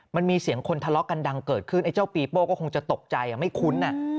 มันมีเสียงคนทะเลาะกันดังเกิดขึ้นไอ้เจ้าปีโป้ก็คงจะตกใจไม่คุ้น